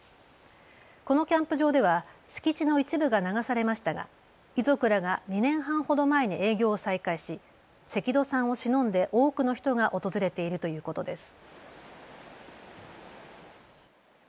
このキャンプ場では敷地の一部が流されましたが遺族らが２年半ほど前に営業を再開し関戸さんをしのんで多くの人が訪れているということです。